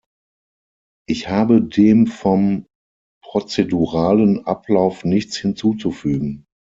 Ich habe dem vom prozeduralen Ablauf nichts hinzuzufügen.